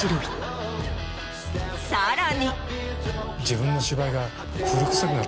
さらに。